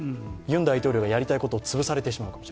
ユン大統領がやりたいことをつぶされてしまう。